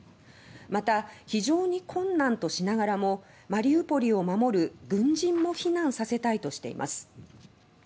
また、非常に困難としながらもマリウポリを守る軍人も避難させたいとしています。